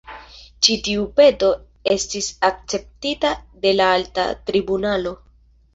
Ĉi tiu peto estis akceptita de la alta tribunalo.